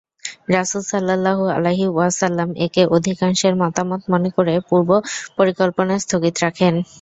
রাসূল সাল্লাল্লাহু আলাইহি ওয়াসাল্লাম একে অধিকাংশের মতামত মনে করে পূর্ব পরিকল্পনা স্থগিত রাখেন।